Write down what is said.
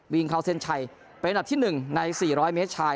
วิ่งเขาเส้นชัยเป็นอันดับที่หนึ่งในสี่ร้อยเมตรชาย